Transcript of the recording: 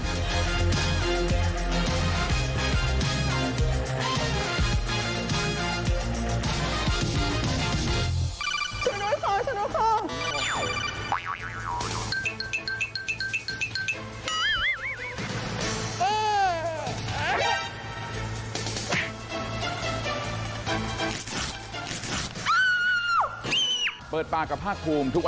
ช่วยด้วยครับช่วยด้วยครับ